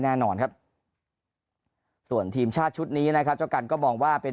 แน่นอนครับส่วนทีมชาติชุดนี้นะครับเจ้ากันก็มองว่าเป็น